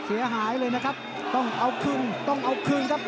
เสียหายเลยนะครับต้องเอาคืนต้องเอาคืนครับ